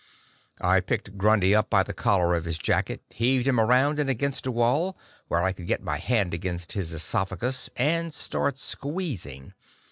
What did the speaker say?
I picked Grundy up by the collar of his jacket, heaved him around and against a wall, where I could get my hand against his esophagus and start squeezing.